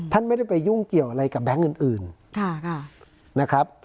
ท่านไม่ได้ไปยุ่งเกี่ยวอะไรกับแบงค์อื่นนะครับ